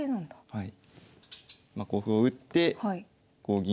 はい。